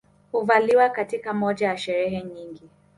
Huvaliwa katika moja ya sherehe nyingi